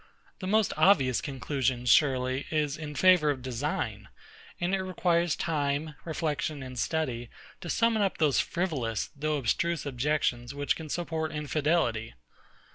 The most obvious conclusion, surely, is in favour of design; and it requires time, reflection, and study, to summon up those frivolous, though abstruse objections, which can support Infidelity.